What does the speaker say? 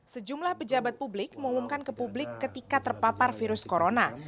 sejumlah pejabat publik mengumumkan ke publik ketika terpapar virus corona